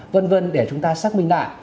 vân vân để chúng ta xác minh lại